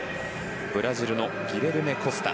ブラジルのギリェルメ・コスタ。